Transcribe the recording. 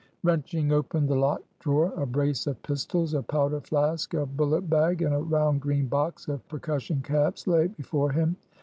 Wrenching open the locked drawer, a brace of pistols, a powder flask, a bullet bag, and a round green box of percussion caps lay before him.